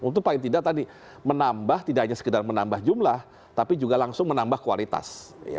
untuk paling tidak tadi menambah tidak hanya sekedar menambah jumlah tapi juga langsung menambah kualitas